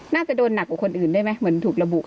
น่าจะโดนหนักกว่าคนอื่นได้ไหมเหมือนถูกระบุ